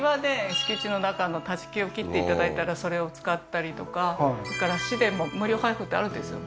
敷地の中の立ち木を切っていただいたらそれを使ったりとかそれから市でも無料配布ってあるんですよ